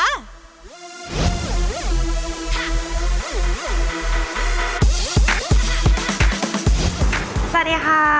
สวัสดีค่ะ